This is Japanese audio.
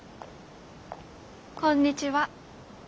こんにちは。